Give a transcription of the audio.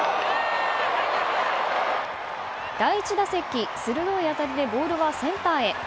第１打席、鋭い当たりでボールはセンターへ。